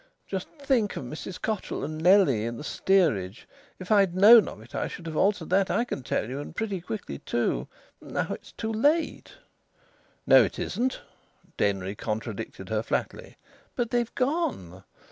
Just think of Mrs Cotterill and Nellie in the steerage. If I'd known of it I should have altered that, I can tell you, and pretty quickly too; and now it's too late." "No, it isn't," Denry contradicted her flatly. "But they've gone."